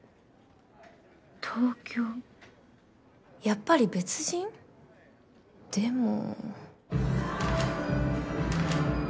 やっぱり別人？でも